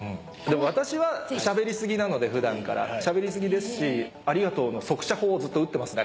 私はしゃべり過ぎなので普段からしゃべり過ぎですし「ありがとう」の速射砲をずっと撃っています。